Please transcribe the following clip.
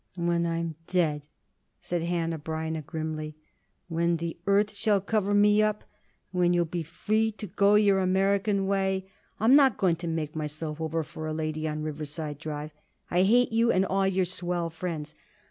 "When I'm dead," said Hanneh Breineh, grimly. "When the earth will cover me up, then you'll be free to go your American way. I'm not going to make myself over for a lady on Riverside Drive. I hate you and all your swell friends.